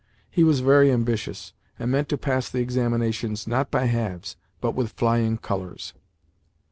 He was very ambitious, and meant to pass the examinations, not by halves, but with flying colours.